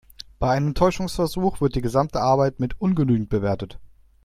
Bei einem Täuschungsversuch wird die gesamte Arbeit mit ungenügend bewertet.